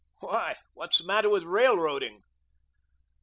"Why, what's the matter with railroading?"